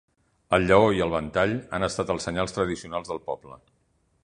El lleó i el ventall han estat els senyals tradicionals del poble.